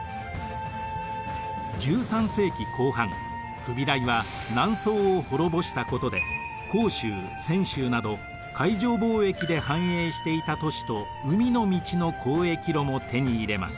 １３世紀後半フビライは南宋を滅ぼしたことで広州泉州など海上貿易で繁栄していた都市と海の道の交易路も手に入れます。